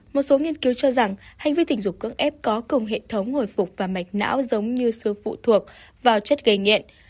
một số nghiên cứu cho rằng hành vi tình dục cưỡng ép có cùng hệ thống hồi phục và mạch não giống như sự phụ thuộc vào chất gây nghiện